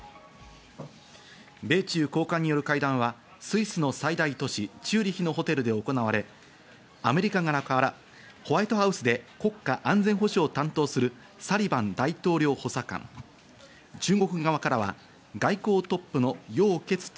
米中高官による会談はスイスの最大都市チューリヒのホテルで行われ、アメリカ側からホワイトハウスで国家安全保障を担当するサリバン大統領補佐官、中国側からは外交トップのヨウ・ケツチ